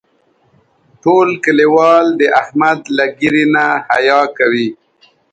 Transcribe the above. ټول کلیوال د احمد له ږیرې نه حیا کوي.